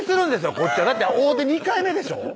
こっちはだって会うて２回目でしょ？